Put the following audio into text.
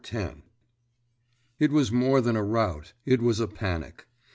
X It was more than a rout, it was a panic.